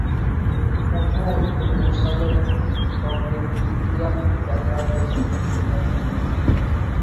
পূর্ণ ঐক্যে পৌঁছিলে তত্ত্বের দিক দিয়া বিজ্ঞানের আর বেশী কিছুই বলিবার থাকে না।